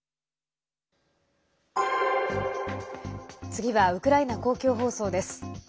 次は、ウクライナ公共放送です。